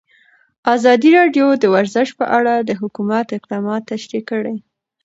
ازادي راډیو د ورزش په اړه د حکومت اقدامات تشریح کړي.